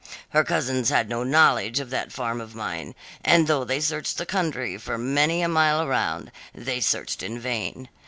Her cousins had no knowledge of that farm of mine, and though they searched the country for many a mile around, they searched in vain.